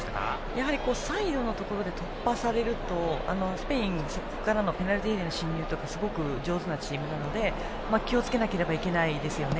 やはりサイドのところで突破されるとスペイン、そこからのペナルティーエリアの進入とかすごく上手なチームなので気をつけなければいけないですね。